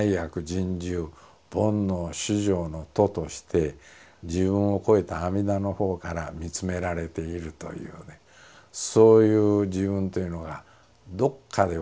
深重煩悩熾盛の徒として自分をこえた阿弥陀のほうから見つめられているというねそういう自分というのがどっかで忘れられてしまうんですね。